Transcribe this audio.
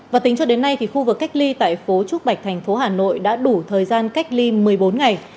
và tính cho đến nay khu vực cách ly tại phố trúc bạch thành phố hà nội đã đủ thời gian cách ly một mươi bốn ngày